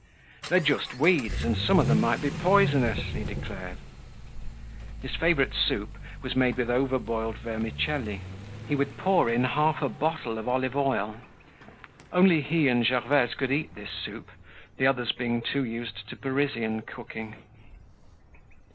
"They're just weeds and some of them might be poisonous," he declared. His favorite soup was made with over boiled vermicelli. He would pour in half a bottle of olive oil. Only he and Gervaise could eat this soup, the others being too used to Parisian cooking.